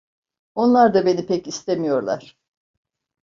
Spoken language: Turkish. Onlar da beni pek istemiyorlar.